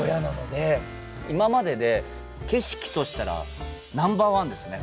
今までで景色としたらナンバーワンですね